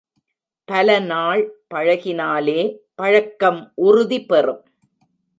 பலநாள் பழகினாலே, பழக்கம் உறுதி பெறும்.